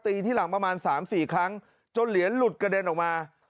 ที่หลังประมาณสามสี่ครั้งจนเหรียญหลุดกระเด็นออกมา